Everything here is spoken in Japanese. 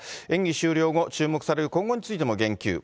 演技終了後、注目される今後についても言及。